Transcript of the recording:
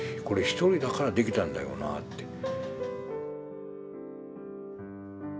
これ一人だからできたんだよなあって。